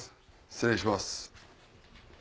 失礼します。